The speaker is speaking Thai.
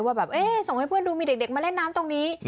ว่าแบบเอ๊ะส่งให้เพื่อนดูมีเด็กมาเล่นน้ำตรงนี้